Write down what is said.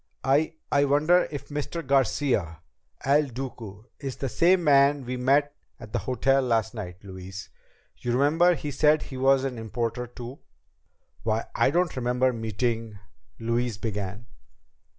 "I I wonder if Mr. Garcia El Duque is the same man we met at the hotel last night, Louise. You remember he said he was an importer too." "Why, I don't remember meeting ..." Louise began.